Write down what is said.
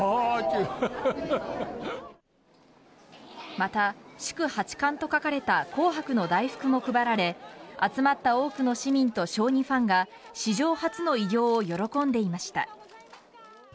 また、「祝・八冠」と書かれた紅白の大福も配られ集まった多くの市民と将棋ファンが史上初の偉業を喜んでいました。